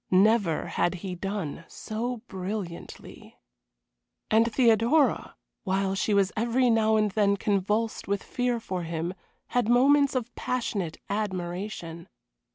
Never had he done so brilliantly. And Theodora, while she was every now and then convulsed with fear for him, had moments of passionate admiration.